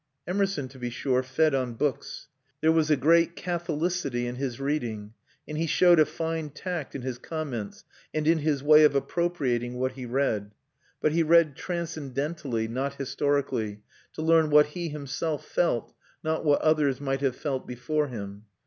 Emerson, to be sure, fed on books. There was a great catholicity in his reading; and he showed a fine tact in his comments, and in his way of appropriating what he read. But he read transcendentally, not historically, to learn what he himself felt, not what others might have felt before him.